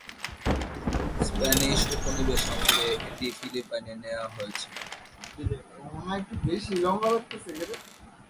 Spanish উপনিবেশ আমলে এটি ফিলিপাইনে নেওয়া হয়েছিল।